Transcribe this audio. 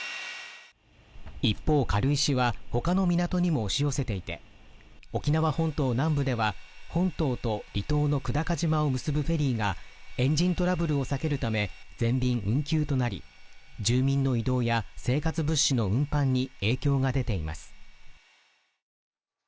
一方、軽石は他の港にも押し寄せていて沖縄本島南部では、本島と離島の久高島を結ぶフェリーがエンジントラブルを避けるため全便運休となり、住民の移動や生活物資の運搬に影響が出ています。